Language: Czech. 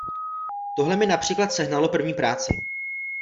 Tohle mi například sehnalo první práci.